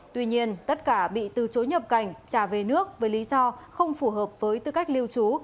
tuy nhiên tất cả bị từ chối nhập cảnh trả về nước với lý do không phù hợp với tư cách lưu trú